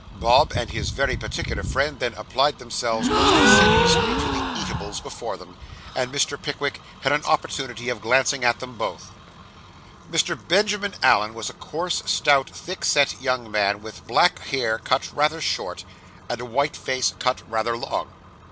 Bob and his very particular friend then applied themselves most assiduously to the eatables before them; and Mr. Pickwick had an opportunity of glancing at them both. Mr. Benjamin Allen was a coarse, stout, thick set young man, with black hair cut rather short, and a white face cut rather long.